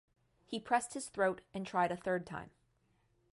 He pressed his throat and tried a third time.